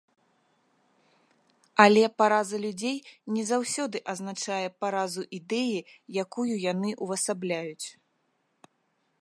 Але параза людзей не заўсёды азначае паразу ідэі, якую яны ўвасабляюць.